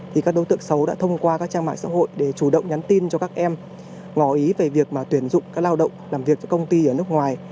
thì các đối tượng xấu đã thông qua các trang mạng xã hội để chủ động nhắn tin cho các em ngò ý về việc tuyển dụng các lao động làm việc cho công ty ở nước ngoài